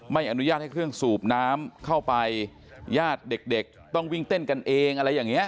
ไม่อนุญาตให้เครื่องสูบน้ำเข้าไปญาติเด็กต้องวิ่งเต้นกันเองอะไรอย่างเงี้